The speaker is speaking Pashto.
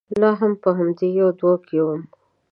لا هم په همدې يوه دوه کې ووم.